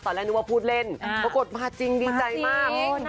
ตอนแรกนึกว่าพูดเล่นปรากฏมาจริงดีใจมาก